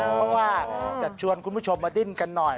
เพราะว่าจะชวนคุณผู้ชมมาดิ้นกันหน่อย